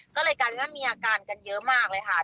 ก็เลยกันมีอาการกันเยอะมากเลยค่ะ